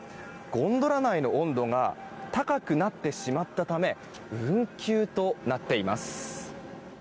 ゴンドラ内の温度が高くなってしまったため運休となっています。